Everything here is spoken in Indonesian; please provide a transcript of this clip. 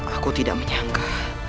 aku tidak menyangka